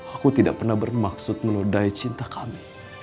aku tidak pernah bermaksud meludai cinta kami